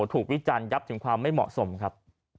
วิจารณ์ยับถึงความไม่เหมาะสมครับ